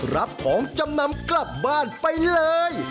รับของจำนำกลับบ้านไปเลย